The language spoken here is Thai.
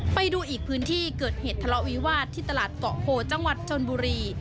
ไปดูอีกพื้นที่เกิดเหตุทะเลาะวิวาสที่ตลาดเกาะโพจังหวัดชนบุรี